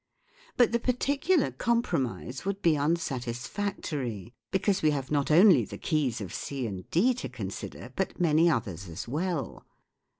But the particular compromise would be un satisfactory, because we have not only the keys of C and D to consider, but many others as well.